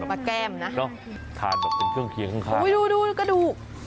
ปะแก้มนะทานแบบเป็นเครื่องเคียงข้างข้างโหดูกระดูก